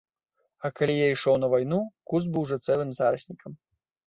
А калі я ішоў на вайну, куст быў ужо цэлым зараснікам.